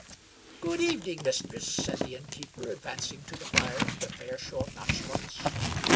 " Good evening, mistress !" said the innkeeper, advanc ing to the fire with a fair show of nonchalance.